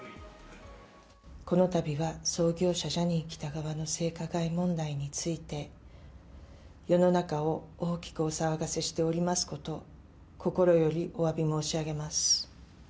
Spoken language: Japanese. このたびは創業者、ジャニー喜多川の性加害問題について、世の中を大きくお騒がせしておりますこと、心よりおわび申し上げます。